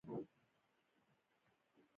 ګرموالي یې زما په ټول بدن کې خپرېدو وکړې.